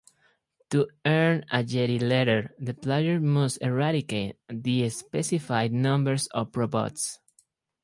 To earn a Jedi letter, the player must eradicate the specified number of probots.